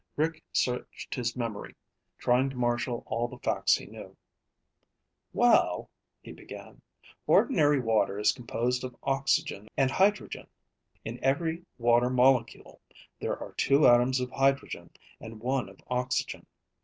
Rick searched his memory, trying to marshal all the facts he knew. "Well," he began, "ordinary water is composed of oxygen and hydrogen. In every water molecule there are two atoms of hydrogen and one of oxygen.